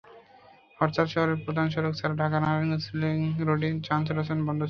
হরতালে শহরের প্রধান সড়ক ছাড়াও ঢাকা-নারায়ণগঞ্জ লিংক রোডে যান চলাচল বন্ধ ছিল।